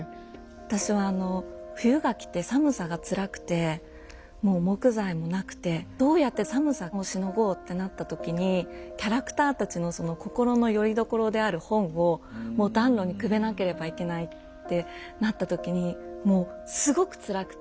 私はあの冬が来て寒さがつらくてもう木材もなくて「どうやって寒さをしのごう」ってなった時にキャラクターたちの心のよりどころである本をもう暖炉にくべなければいけないってなった時にもうすごくつらくて。